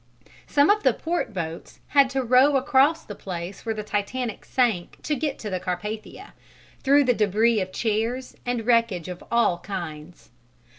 Some of the port boats had to row across the place where the Titanic sank to get to the Carpathia, through the debris of chairs and wreckage of all kinds.